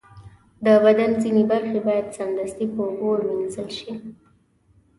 د بدن ځینې برخې باید سمدستي په اوبو ومینځل شي.